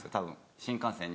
新幹線に。